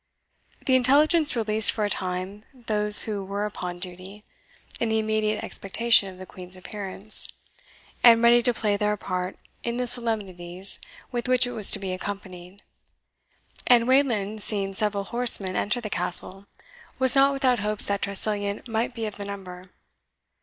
The intelligence released for a time those who were upon duty, in the immediate expectation of the Queen's appearance, and ready to play their part in the solemnities with which it was to be accompanied; and Wayland, seeing several horsemen enter the Castle, was not without hopes that Tressilian might be of the number.